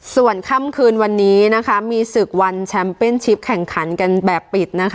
ส่วนค่ำคืนวันนี้นะคะมีศึกวันแชมป์เป็นชิปแข่งขันกันแบบปิดนะคะ